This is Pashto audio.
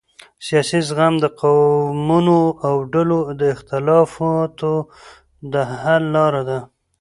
سیاسي زغم د قومونو او ډلو د اختلافاتو د حل لاره ده